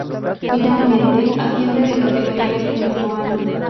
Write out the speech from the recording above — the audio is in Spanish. Finalmente, asciende de categoría ese mismo año.